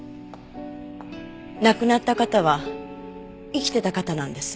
亡くなった方は生きてた方なんです。